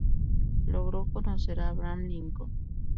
Logró conocer a Abraham Lincoln.